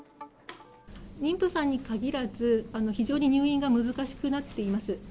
妊婦さんに限らず、非常に入院が難しくなっています。